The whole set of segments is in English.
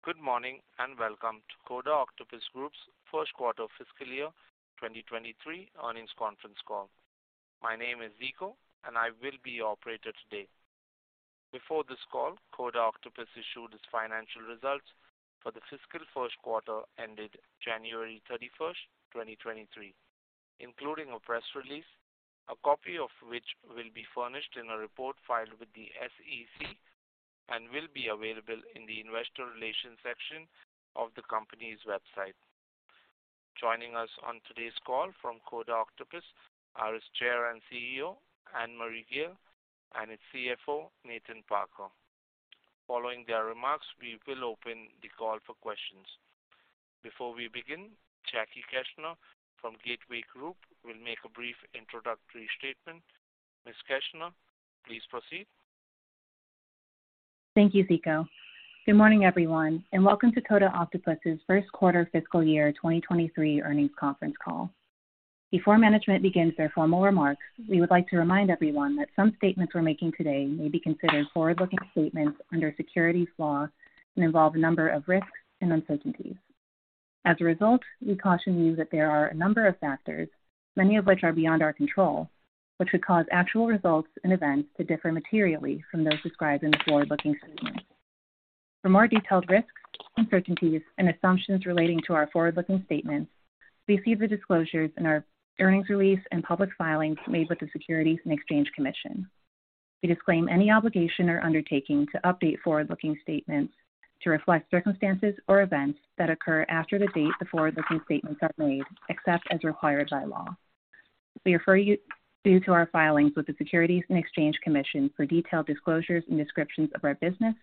Good morning, welcome to Coda Octopus Group's first quarter fiscal year 2023 earnings conference call. My name is Ziko, I will be your operator today. Before this call, Coda Octopus issued its financial results for the fiscal first quarter ended January 31, 2023, including a press release, a copy of which will be furnished in a report filed with the SEC, and will be available in the investor relations section of the company's website. Joining us on today's call from Coda Octopus are its chair and CEO, Annmarie Gayle, and its CFO, Nathan Parker. Following their remarks, we will open the call for questions. Before we begin, Jackie Keshner from Gateway Group will make a brief introductory statement. Ms. Keshner, please proceed. Thank you, Ziko. Good morning, everyone, and welcome to Coda Octopus' first quarter fiscal year 2023 earnings conference call. Before management begins their formal remarks, we would like to remind everyone that some statements we're making today may be considered forward-looking statements under securities laws and involve a number of risks and uncertainties. As a result, we caution you that there are a number of factors, many of which are beyond our control, which could cause actual results and events to differ materially from those described in the forward-looking statement. For more detailed risks, uncertainties, and assumptions relating to our forward-looking statements, please see the disclosures in our earnings release and public filings made with the Securities and Exchange Commission. We disclaim any obligation or undertaking to update forward-looking statements to reflect circumstances or events that occur after the date the forward-looking statements are made, except as required by law. We refer you to our filings with the Securities and Exchange Commission for detailed disclosures and descriptions of our business,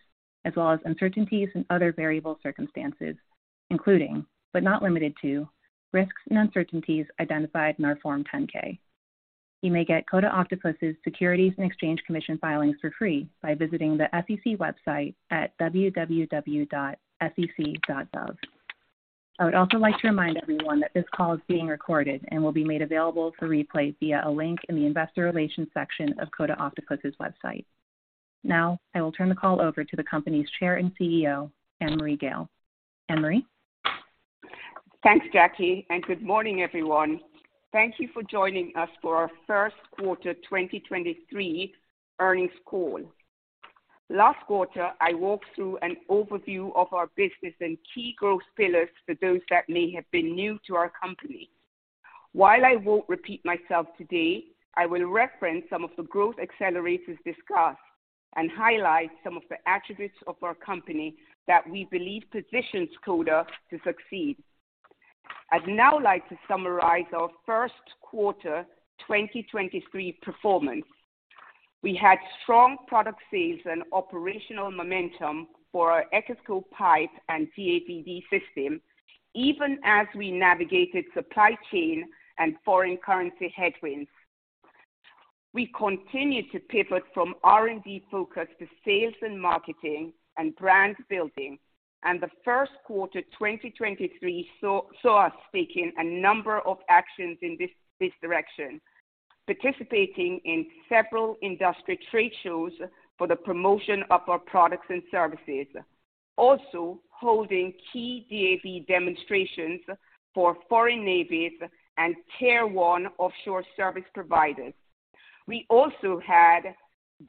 as well as uncertainties and other variable circumstances, including, but not limited to, risks and uncertainties identified in our Form 10-K. You may get Coda Octopus' Securities and Exchange Commission filings for free by visiting the SEC website at www.sec.gov. I would also like to remind everyone that this call is being recorded and will be made available for replay via a link in the investor relations section of Coda Octopus' website. I will turn the call over to the company's Chair and CEO, Annmarie Gayle. Annmarie? Thanks, Jackie. Good morning, everyone. Thank you for joining us for our 1st quarter 2023 earnings call. Last quarter, I walked through an overview of our business and key growth pillars for those that may have been new to our company. While I won't repeat myself today, I will reference some of the growth accelerators discussed and highlight some of the attributes of our company that we believe positions Coda to succeed. I'd now like to summarize our 1st quarter 2023 performance. We had strong product sales and operational momentum for our Echoscope PIPE® and DAVD system, even as we navigated supply chain and foreign currency headwinds. We continued to pivot from R&D focus to sales and marketing and brand building. The first quarter 2023 saw us taking a number of actions in this direction, participating in several industry trade shows for the promotion of our products and services. Holding key DAVD demonstrations for foreign navies and tier one offshore service providers. We also had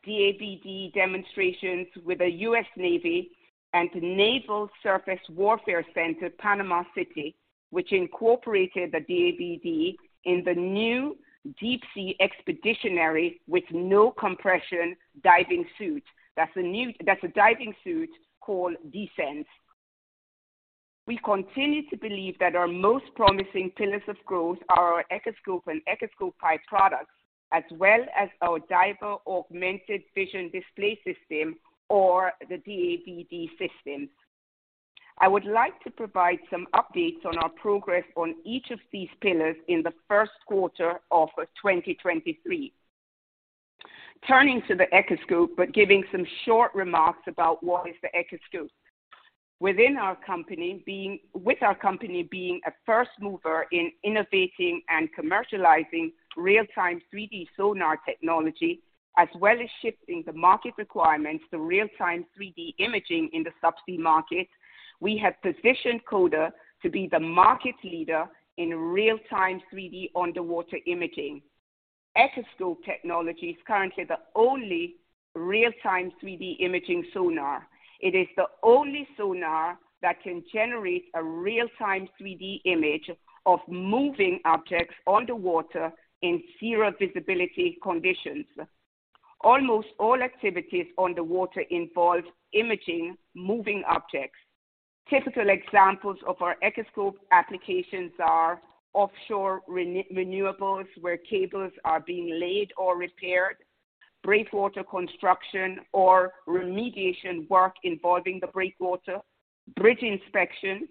DAVD demonstrations with the U.S. Navy and the Naval Surface Warfare Center, Panama City, which incorporated the DAVD in the new Deep Sea Expeditionary with No Decompression diving suit. That's a diving suit called DSENDS. We continue to believe that our most promising pillars of growth are our Echoscope and Echoscope PI products, as well as our Diver Augmented Vision Display system or the DAVD system. I would like to provide some updates on our progress on each of these pillars in the first quarter of 2023. Turning to the Echoscope, giving some short remarks about what is the Echoscope. With our company being a first mover in innovating and commercializing real-time 3D sonar technology, as well as shifting the market requirements to real-time 3D imaging in the subsea market, we have positioned Coda to be the market leader in real-time 3D underwater imaging. Echoscope technology is currently the only real-time 3D imaging sonar. It is the only sonar that can generate a real-time 3D image of moving objects underwater in zero visibility conditions. Almost all activities underwater involve imaging moving objects. Typical examples of our Echoscope applications are offshore renewables where cables are being laid or repaired, breakwater construction or remediation work involving the breakwater, bridge inspection,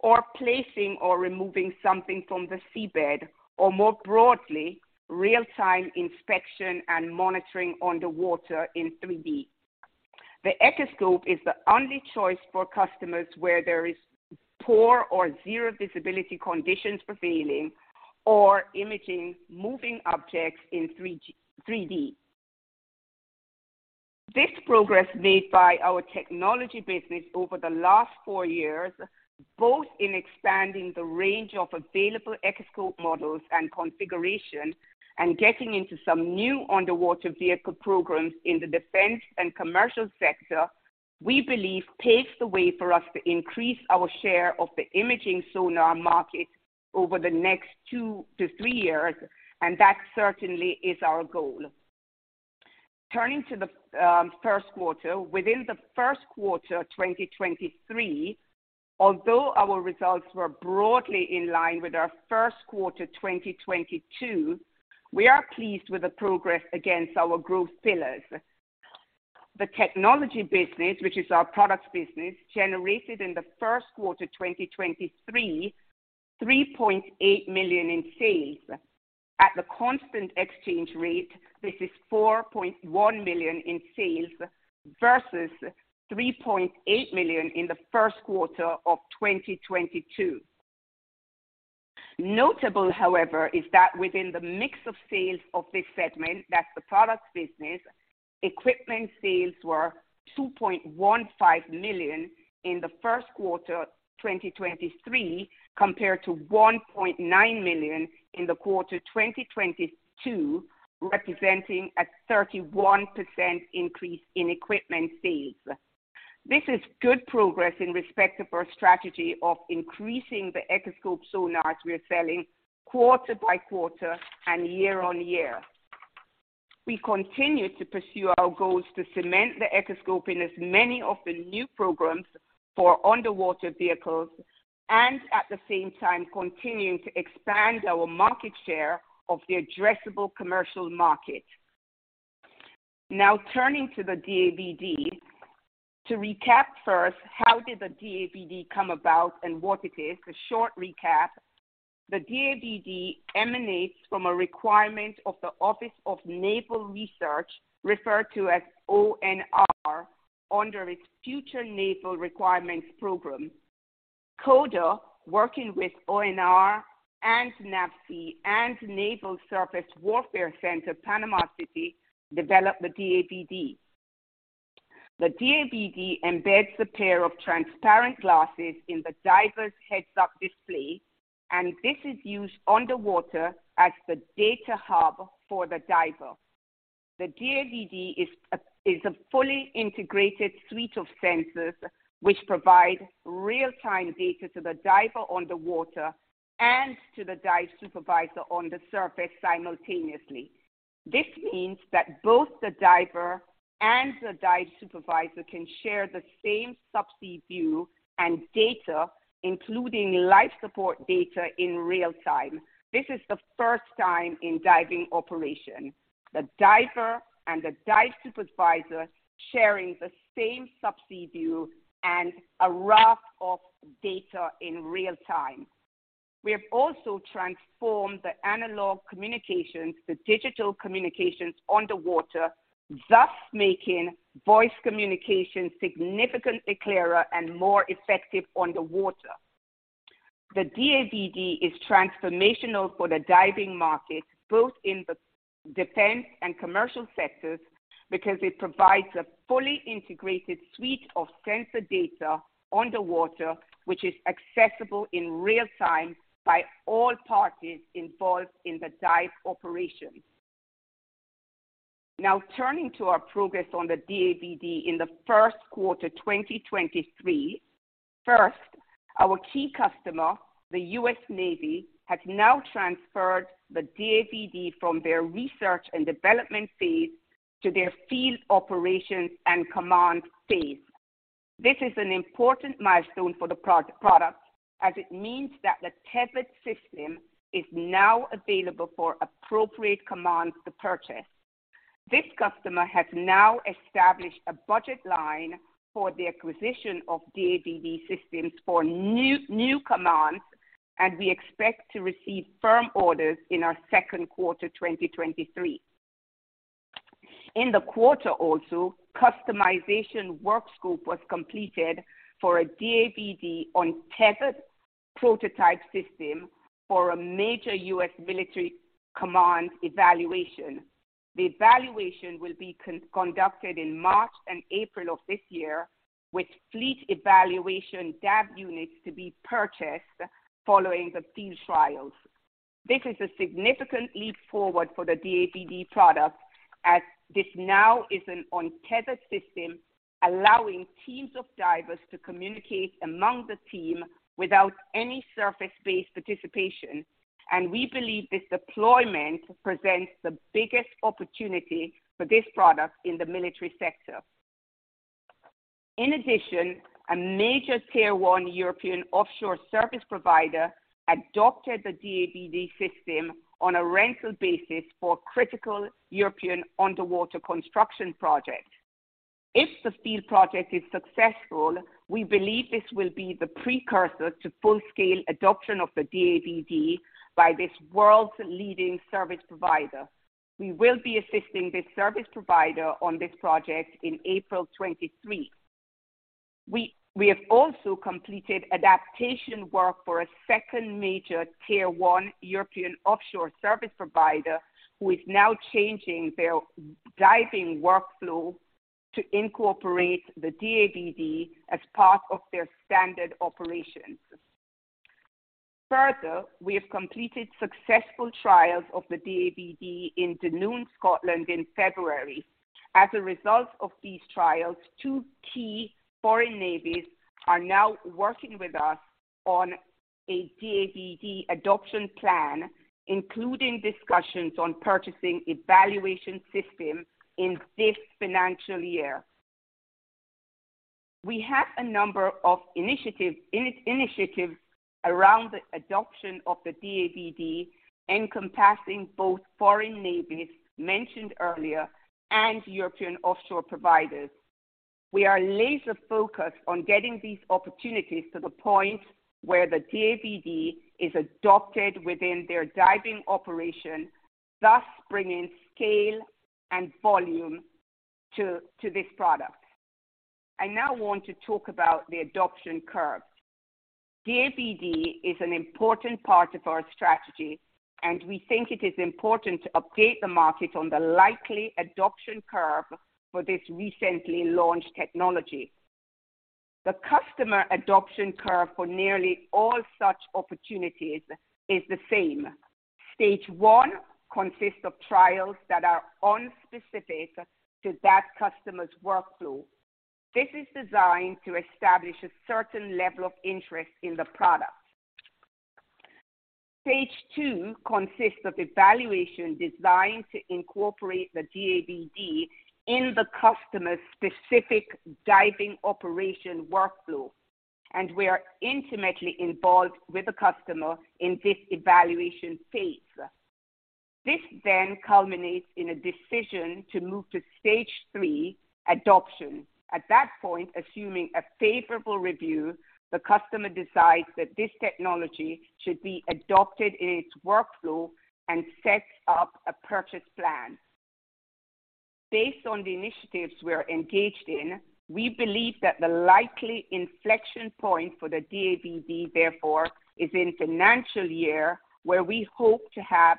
or placing or removing something from the seabed, or more broadly, real-time inspection and monitoring underwater in 3D. The Echoscope is the only choice for customers where there is poor or zero visibility conditions prevailing or imaging moving objects in 3D. This progress made by our technology business over the last four years, both in expanding the range of available Echoscope models and configuration and getting into some new underwater vehicle programs in the defense and commercial sector, we believe paves the way for us to increase our share of the imaging sonar market over the next two to three years. That certainly is our goal. Turning to the first quarter. Within the first quarter 2023, although our results were broadly in line with our first quarter 2022, we are pleased with the progress against our growth pillars. The technology business, which is our products business, generated in the first quarter 2023, $3.8 million in sales. At the constant exchange rate, this is $4.1 million in sales versus $3.8 million in the first quarter of 2022. Notable, however, is that within the mix of sales of this segment, that's the product business, equipment sales were $2.15 million in the first quarter 2023, compared to $1.9 million in the quarter 2022, representing a 31% increase in equipment sales. This is good progress in respect of our strategy of increasing the Echoscope sonars we are selling quarter by quarter and year on year. We continue to pursue our goals to cement the Echoscope in as many of the new programs for underwater vehicles and at the same time continuing to expand our market share of the addressable commercial market. Turning to the DAVD. To recap first, how did the DAVD come about and what it is? A short recap. The DAVD emanates from a requirement of the Office of Naval Research, referred to as ONR, under its Future Naval Requirements program. Coda, working with ONR and NAVSEA and Naval Surface Warfare Center, Panama City, developed the DAVD. The DAVD embeds a pair of transparent glasses in the diver's heads-up display, and this is used underwater as the data hub for the diver. The DAVD is a fully integrated suite of sensors which provide real-time data to the diver on the water and to the dive supervisor on the surface simultaneously. This means that both the diver and the dive supervisor can share the same subsea view and data, including life support data in real time. This is the first time in diving operation. The diver and the dive supervisor sharing the same subsea view and a raft of data in real time. We have also transformed the analog communications to digital communications underwater, thus making voice communication significantly clearer and more effective underwater. The DAVD is transformational for the diving market, both in the defense and commercial sectors, because it provides a fully integrated suite of sensor data underwater, which is accessible in real time by all parties involved in the dive operation. Now, turning to our progress on the DAVD in the first quarter, 2023. First, our key customer, the U.S. Navy, has now transferred the DAVD from their research and development phase to their field operations and command phase. This is an important milestone for the product as it means that the tethered system is now available for appropriate commands to purchase. This customer has now established a budget line for the acquisition of DAVD systems for new commands. We expect to receive firm orders in our second quarter, 2023. In the quarter also, customization work scope was completed for a DAVD untethered prototype system for a major U.S. military command evaluation. The evaluation will be conducted in March and April of this year with fleet evaluation DAVD units to be purchased following the field trials. This is a significant leap forward for the DAVD product, as this now is an untethered system allowing teams of divers to communicate among the team without any surface-based participation. We believe this deployment presents the biggest opportunity for this product in the military sector. In addition, a major tier 1 European offshore service provider adopted the DAVD system on a rental basis for critical European underwater construction project. If this field project is successful, we believe this will be the precursor to full scale adoption of the DAVD by this world's leading service provider. We will be assisting this service provider on this project in April 2023. We have also completed adaptation work for a second major tier 1 European offshore service provider who is now changing their diving workflow to incorporate the DAVD as part of their standard operations. We have completed successful trials of the DAVD in Dunoon, Scotland in February. As a result of these trials, two key foreign navies are now working with us on a DAVD adoption plan, including discussions on purchasing evaluation system in this financial year. We have a number of initiatives around the adoption of the DAVD encompassing both foreign navies mentioned earlier and European offshore providers. We are laser focused on getting these opportunities to the point where the DAVD is adopted within their diving operation, thus bringing scale and volume to this product. I now want to talk about the adoption curve. DAVD is an important part of our strategy, and we think it is important to update the market on the likely adoption curve for this recently launched technology. The customer adoption curve for nearly all such opportunities is the same. stage 1 consists of trials that are unspecific to that customer's workflow. This is designed to establish a certain level of interest in the product. stage 2 consists of evaluation designed to incorporate the DAVD in the customer's specific diving operation workflow, and we are intimately involved with the customer in this evaluation phase. This culminates in a decision to move to stage 3, adoption. At that point, assuming a favorable review, the customer decides that this technology should be adopted in its workflow and sets up a purchase plan. Based on the initiatives we are engaged in, we believe that the likely inflection point for the DAVD, therefore, is in financial year, where we hope to have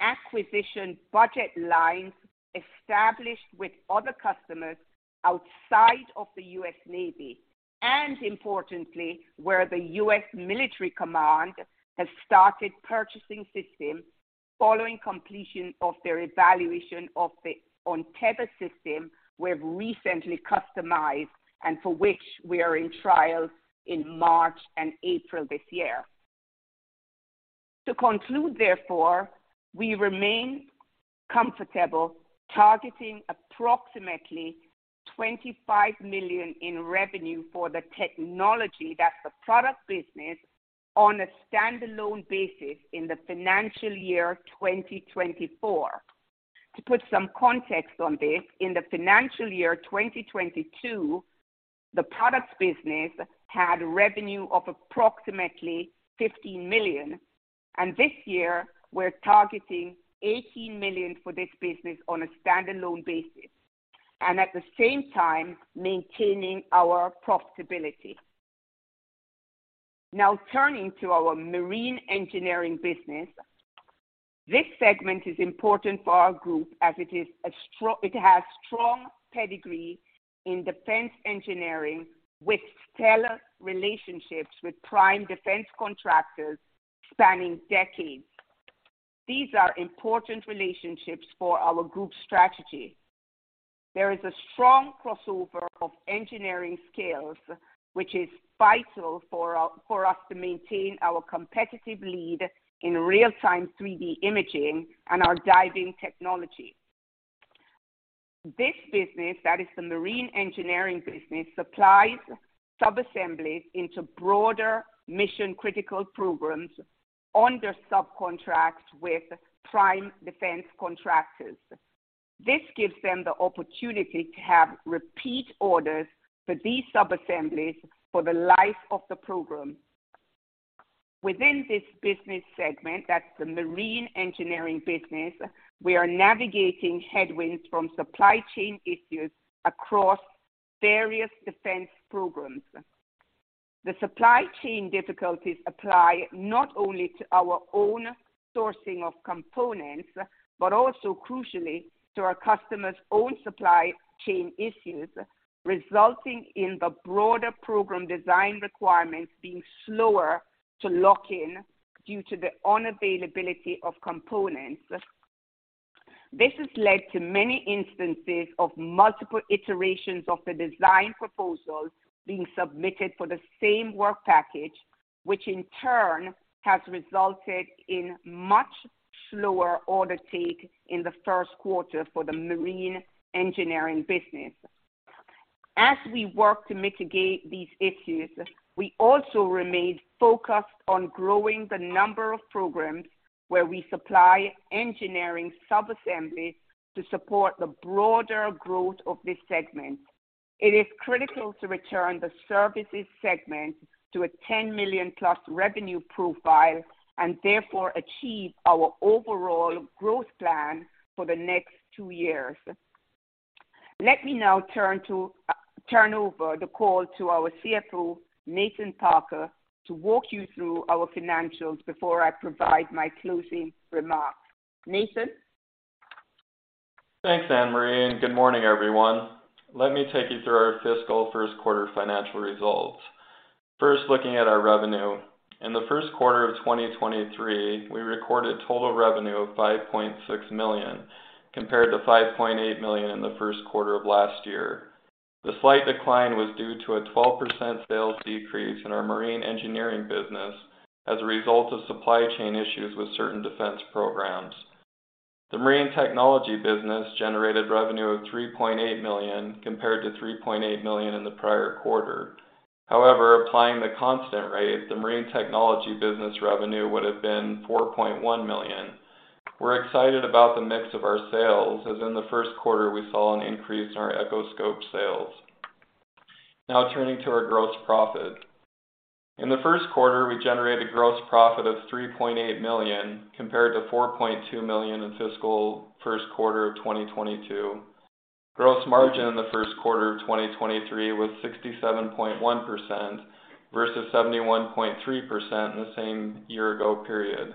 acquisition budget lines established with other customers outside of the U.S. Navy, and importantly, where the U.S. military command has started purchasing systems following completion of their evaluation of the untethered we've recently customized and for which we are in trials in March and April this year. To conclude, therefore, we remain comfortable targeting approximately $25 million in revenue for the technology, that's the product business, on a standalone basis in the financial year 2024. To put some context on this, in the financial year 2022, the products business had revenue of approximately $15 million, this year we're targeting $18 million for this business on a standalone basis, and at the same time maintaining our profitability. Turning to our marine engineering business. This segment is important for our group as it has strong pedigree in defense engineering with stellar relationships with prime defense contractors spanning decades. These are important relationships for our group strategy. There is a strong crossover of engineering skills, which is vital for us to maintain our competitive lead in real-time 3D imaging and our diving technology. This business, that is the marine engineering business, supplies subassemblies into broader mission-critical programs under subcontracts with prime defense contractors. This gives them the opportunity to have repeat orders for these subassemblies for the life of the program. Within this business segment, that's the marine engineering business, we are navigating headwinds from supply chain issues across various defense programs. The supply chain difficulties apply not only to our own sourcing of components, but also crucially to our customers' own supply chain issues, resulting in the broader program design requirements being slower to lock in due to the unavailability of components. This has led to many instances of multiple iterations of the design proposals being submitted for the same work package, which in turn has resulted in much slower order take in the first quarter for the marine engineering business. As we work to mitigate these issues, we also remain focused on growing the number of programs where we supply engineering subassemblies to support the broader growth of this segment. It is critical to return the services segment to a $10 million plus revenue profile and therefore achieve our overall growth plan for the next 2 years. Let me now turn over the call to our CFO, Nathan Parker, to walk you through our financials before I provide my closing remarks. Nathan? Thanks, Ann Marie. Good morning, everyone. Let me take you through our fiscal first quarter financial results. First, looking at our revenue. In the first quarter of 2023, we recorded total revenue of $5.6 million, compared to $5.8 million in the first quarter of last year. The slight decline was due to a 12% sales decrease in our marine engineering business as a result of supply chain issues with certain defense programs. The marine technology business generated revenue of $3.8 million, compared to $3.8 million in the prior quarter. However, applying the constant rate, the marine technology business revenue would have been $4.1 million. We're excited about the mix of our sales, as in the first quarter we saw an increase in our Echoscope sales. Now turning to our gross profit. In the first quarter, we generated gross profit of $3.8 million, compared to $4.2 million in fiscal first quarter of 2022. Gross margin in the first quarter of 2023 was 67.1% versus 71.3% in the same year-ago period.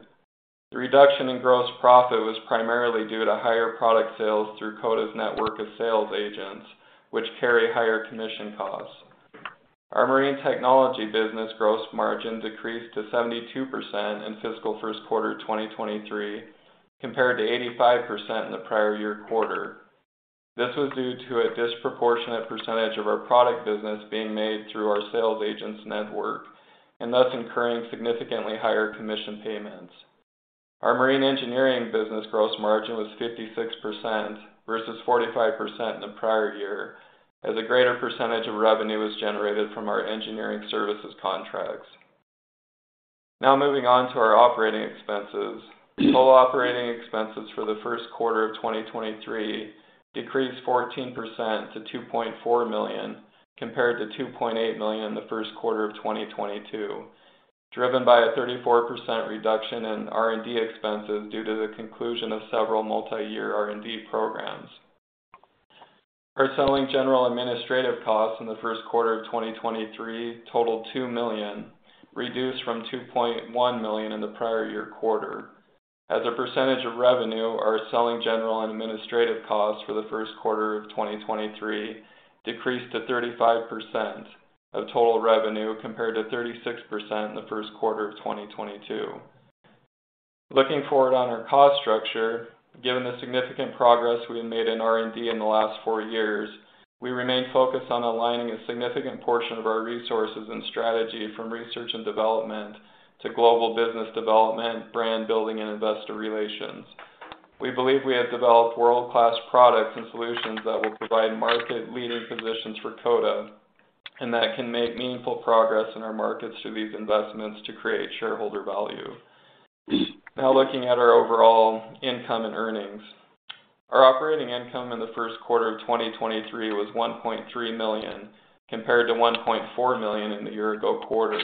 The reduction in gross profit was primarily due to higher product sales through Coda's network of sales agents, which carry higher commission costs. Our marine technology business gross margin decreased to 72% in fiscal first quarter of 2023, compared to 85% in the prior year quarter. This was due to a disproportionate percentage of our product business being made through our sales agents network, and thus incurring significantly higher commission payments. Our marine engineering business gross margin was 56% versus 45% in the prior year, as a greater percentage of revenue was generated from our engineering services contracts. Moving on to our operating expenses. Total operating expenses for the first quarter of 2023 decreased 14% to $2.4 million, compared to $2.8 million in the first quarter of 2022, driven by a 34% reduction in R&D expenses due to the conclusion of several multi-year R&D programs. Our selling general administrative costs in the first quarter of 2023 totaled $2 million, reduced from $2.1 million in the prior year quarter. As a percentage of revenue, our selling general and administrative costs for the first quarter of 2023 decreased to 35% of total revenue, compared to 36% in the first quarter of 2022. Looking forward on our cost structure, given the significant progress we have made in R&D in the last four years, we remain focused on aligning a significant portion of our resources and strategy from research and development to global business development, brand building, and investor relations. We believe we have developed world-class products and solutions that will provide market-leading positions for Coda, and that can make meaningful progress in our markets through these investments to create shareholder value. Looking at our overall income and earnings. Our operating income in the first quarter of 2023 was $1.3 million, compared to $1.4 million in the year ago quarter.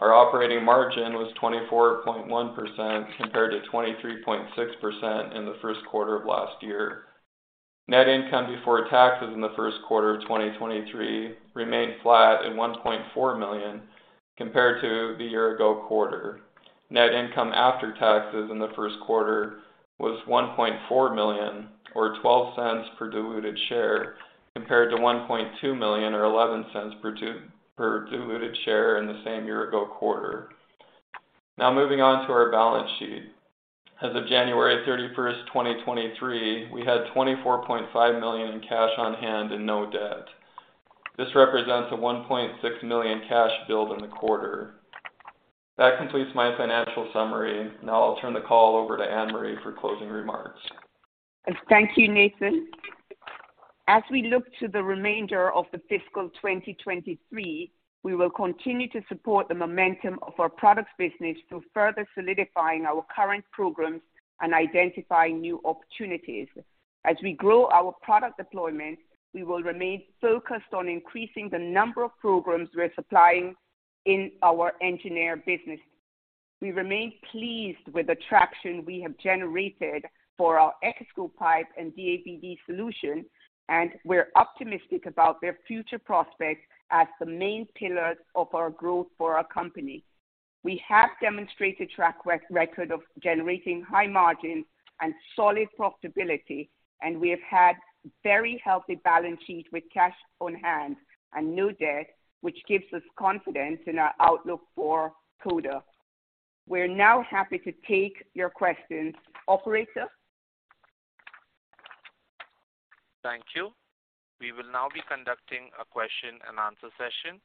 Our operating margin was 24.1% compared to 23.6% in the first quarter of last year. Net income before taxes in the first quarter of 2023 remained flat at $1.4 million compared to the year-ago quarter. Net income after taxes in the first quarter was $1.4 million or $0.12 per diluted share compared to $1.2 million or $0.11 per diluted share in the same year-ago quarter. Moving on to our balance sheet. As of January 31st, 2023, we had $24.5 million in cash on hand and no debt. This represents a $1.6 million cash build in the quarter. That completes my financial summary. I'll turn the call over to Ann Marie for closing remarks. Thank you, Nathan. As we look to the remainder of the fiscal 2023, we will continue to support the momentum of our products business through further solidifying our current programs and identifying new opportunities. As we grow our product deployment, we will remain focused on increasing the number of programs we're supplying in our engineer business. We remain pleased with the traction we have generated for our Echoscope PIPE and DAVD solution, and we're optimistic about their future prospects as the main pillars of our growth for our company. We have demonstrated track record of generating high margins and solid profitability, and we have had very healthy balance sheet with cash on hand and no debt, which gives us confidence in our outlook for Coda. We're now happy to take your questions. Operator? Thank you. We will now be conducting a question and answer session.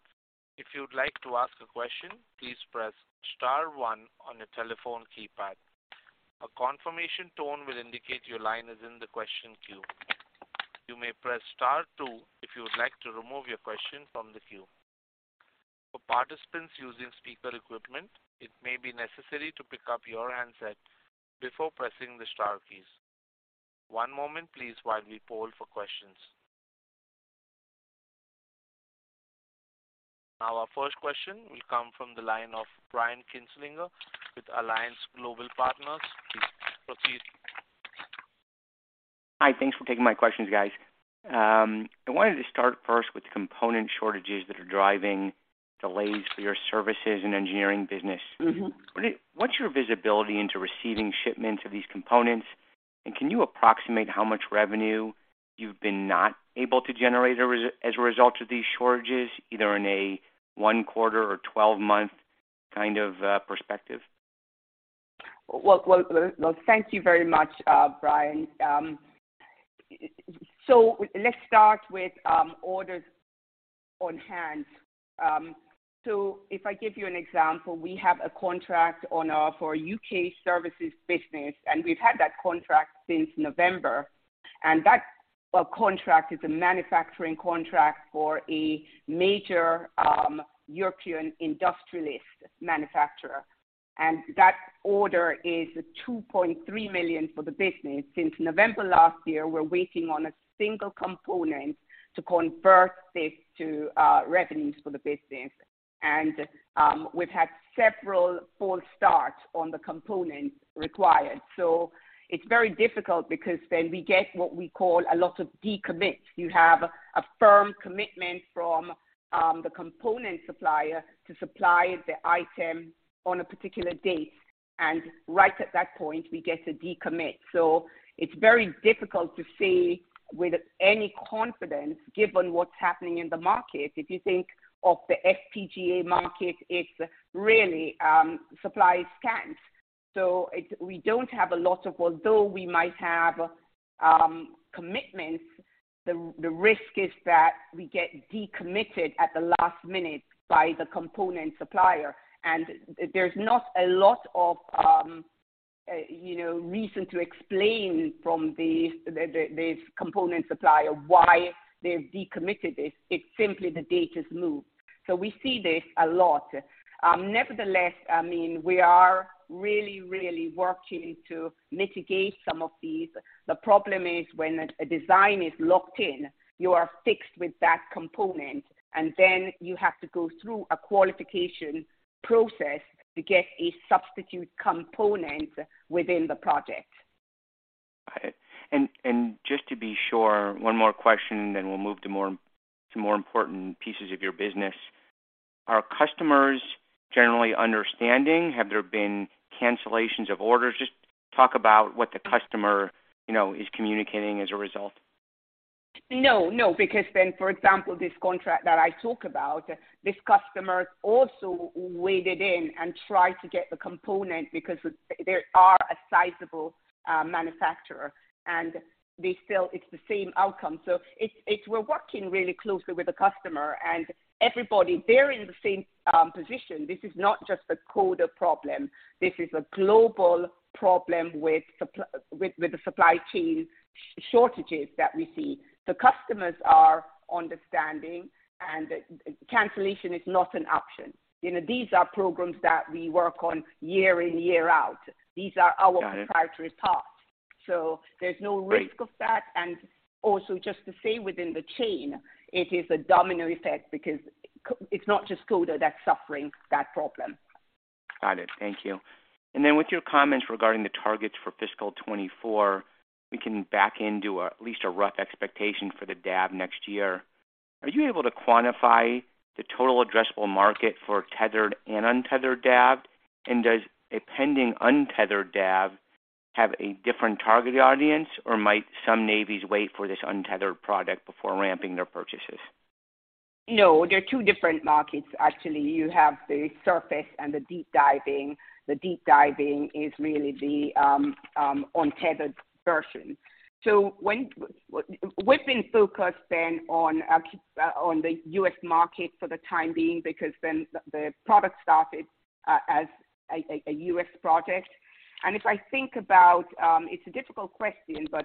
If you'd like to ask a question, please press * 1 on your telephone keypad. A confirmation tone will indicate your line is in the question queue. You may press * 2 if you would like to remove your question from the queue. For participants using speaker equipment, it may be necessary to pick up your handset before pressing the star keys. One moment please while we poll for questions. Now our first question will come from the line of Brian Kinstlick with Alliance Global Partners. Please proceed. Hi. Thanks for taking my questions, guys. I wanted to start first with component shortages that are driving delays for your services and engineering business. Mm-hmm. What's your visibility into receiving shipments of these components? Can you approximate how much revenue you've been not able to generate as a result of these shortages, either in a one quarter or 12-month kind of perspective? Well, well, well, thank you very much, Brian. Let's start with orders on hand. If I give you an example, we have a contract for UK services business, and we've had that contract since November. That contract is a manufacturing contract for a major European industrialist manufacturer. That order is 2.3 million for the business. Since November last year, we're waiting on a single component to convert this to revenues for the business. We've had several false starts on the component required. It's very difficult because then we get what we call a lot of decommit. You have a firm commitment from the component supplier to supply the item on a particular date, and right at that point we get a decommit. It's very difficult to say with any confidence given what's happening in the market. If you think of the FPGA market, it's really, supply is scant. We don't have a lot of... Although we might have commitments, the risk is that we get decommitted at the last minute by the component supplier. There's not a lot of, you know, reason to explain from the component supplier why they've decommitted this. It's simply the date is moved. We see this a lot. Nevertheless, I mean, we are really working to mitigate some of these. The problem is when a design is locked in, you are fixed with that component, and then you have to go through a qualification process to get a substitute component within the project. Got it. Just to be sure, one more question and then we'll move to more important pieces of your business. Are customers generally understanding? Have there been cancellations of orders? Just talk about what the customer, you know, is communicating as a result. No, no. For example, this contract that I talk about, this customer also waded in and tried to get the component because they are a sizable manufacturer, and they still, it's the same outcome. We're working really closely with the customer and everybody, they're in the same position. This is not just a Coda problem. This is a global problem with the supply chain shortages that we see. The customers are understanding. Cancellation is not an option. You know, these are programs that we work on year in, year out. These are our- Got it. -proprietary parts. There's no risk of that. Also just to say within the chain, it is a domino effect because it's not just Coda that's suffering that problem. Got it. Thank you. With your comments regarding the targets for fiscal 2024, we can back into a at least a rough expectation for the DAVD next year. Are you able to quantify the total addressable market for tethered and untethered DAVD? Does a pending untethered DAVD have a different targeted audience, or might some navies wait for this untethered product before ramping their purchases? They're two different markets actually. You have the surface and the deep diving. The deep diving is really the untethered version. We've been focused on a U.S. market for the time being because the product started as a U.S. project. If I think about, it's a difficult question, if I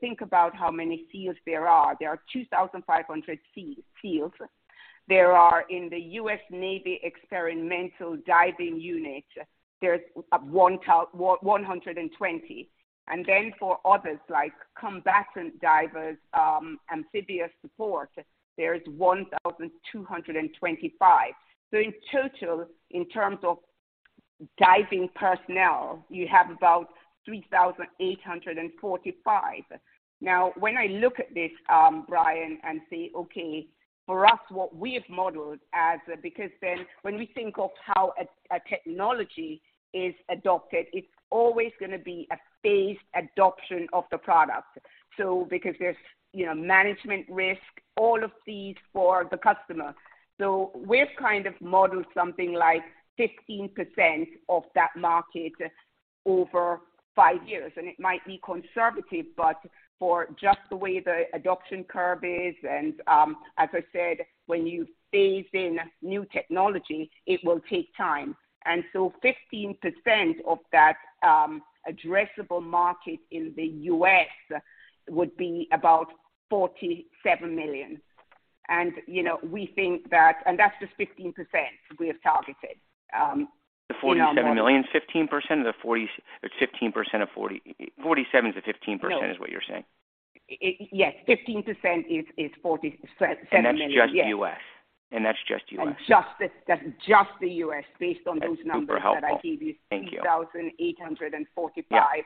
think about how many SEALs there are, there are 2,500 SEALs. There are in the U.S. Navy Experimental Diving Unit, there's 120. For others, like combatant divers, amphibious support, there is 1,225. In total, in terms of diving personnel, you have about 3,845. When I look at this, Brian, say, okay, for us, what we have modeled as... When we think of how a technology is adopted, it's always gonna be a phased adoption of the product. Because there's, you know, management risk, all of these for the customer. We've kind of modeled something like 15% of that market over 5 years. It might be conservative, but for just the way the adoption curve is and, as I said, when you phase in new technology, it will take time. 15% of that addressable market in the U.S. would be about $47 million. You know, that's just 15% we have targeted in our. The $47 million, 15%? 47 is the 15% is what you're saying? Yes, 15% is 70 million. That's just U.S. That's just the U.S. based on those numbers. That's super helpful. that I gave you. Thank you. Three thousand eight hundred and forty-five- Yeah.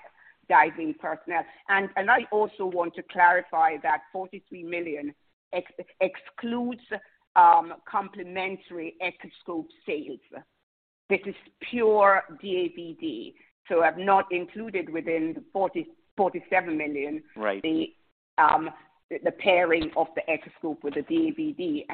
-diving personnel. I also want to clarify that $43 million excludes complementary Echoscope sales. This is pure DAVD. I've not included within the $47 million- Right. The pairing of the Echoscope with the DAVD.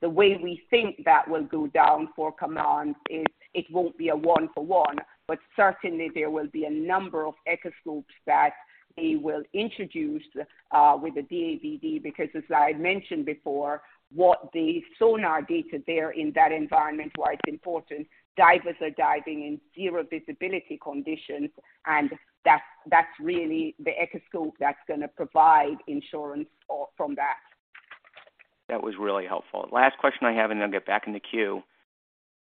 The way we think that will go down for Command is it won't be a one for one, but certainly there will be a number of Echoscopes that they will introduce with the DAVD, because as I mentioned before, what the sonar data there in that environment, why it's important, divers are diving in zero visibility conditions, and that's really the Echoscope that's gonna provide insurance or from that. That was really helpful. Last question I have, and then I'll get back in the queue.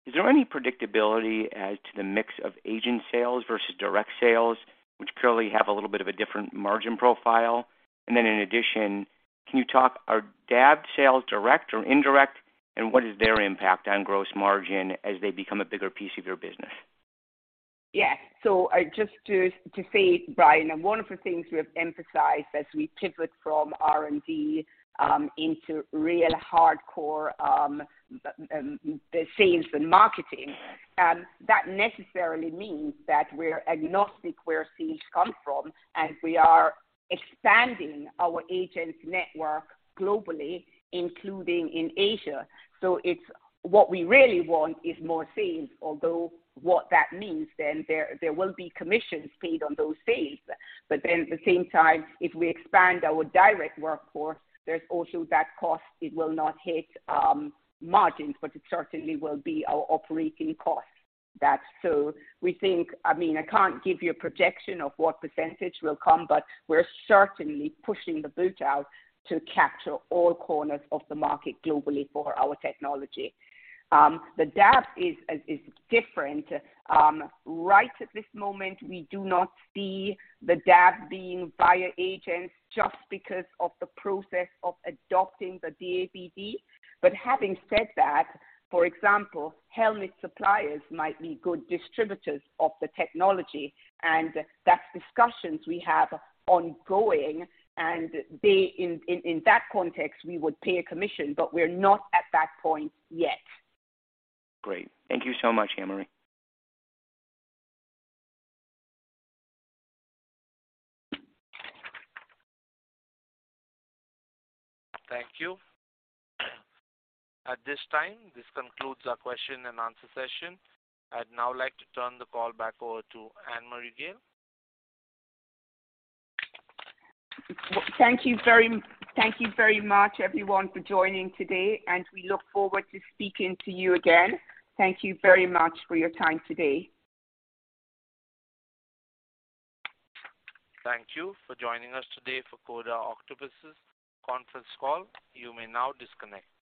Is there any predictability as to the mix of agent sales versus direct sales, which clearly have a little bit of a different margin profile? In addition, can you talk, are DAVD sales direct or indirect, and what is their impact on gross margin as they become a bigger piece of your business? Yeah. I just to say, Brian Kinstlick, one of the things we have emphasized as we pivot from R&D, into real hardcore, the sales and marketing, that necessarily means that we're agnostic where sales come from, and we are expanding our agent network globally, including in Asia. What we really want is more sales, although what that means then there will be commissions paid on those sales. At the same time, if we expand our direct workforce, there's also that cost. It will not hit margins, but it certainly will be our operating costs. That's we think. I mean, I can't give you a projection of what percentage will come, but we're certainly pushing the boat out to capture all corners of the market globally for our technology. The DAVD is different. Right at this moment, we do not see the DAVD being via agents just because of the process of adopting the DAVD. Having said that, for example, helmet suppliers might be good distributors of the technology, and that's discussions we have ongoing. In that context, we would pay a commission, but we're not at that point yet. Great. Thank you so much, Ann Marie. Thank you. At this time, this concludes our question and answer session. I'd now like to turn the call back over to Annmarie Gayle. Thank you very much, everyone, for joining today, and we look forward to speaking to you again. Thank you very much for your time today. Thank you for joining us today for Coda Octopus' conference call. You may now disconnect.